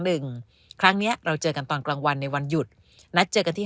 หนึ่งครั้งเนี้ยเราเจอกันตอนกลางวันในวันหยุดนัดเจอกันที่